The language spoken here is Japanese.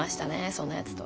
そんなやつと。